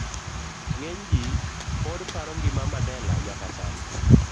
C. Ng'eny ji pod paro ngima Mandela nyaka sani